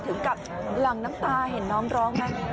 ถึงกับหลั่งน้ำตาเห็นน้องร้องไหม